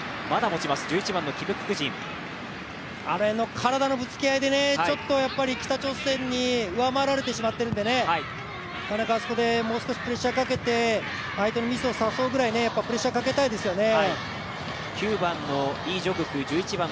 体のぶつかり合いで、ちょっと北朝鮮に上回られてしまっているのであそこでもう少しプレッシャーをかけて相手のミスを誘うくらいプレッシャーかけたいですよね。